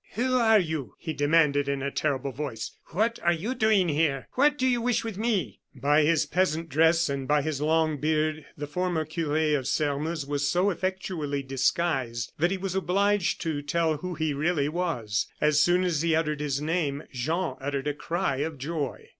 "Who are you?" he demanded, in a terrible voice. "What are you doing here? What do you wish with me?" By his peasant dress and by his long beard, the former cure of Sairmeuse was so effectually disguised that he was obliged to tell who he really was. As soon as he uttered his name, Jean uttered a cry of joy.